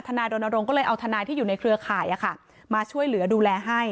นายรณรงค์ก็เลยเอาทนายที่อยู่ในเครือข่ายมาช่วยเหลือดูแลให้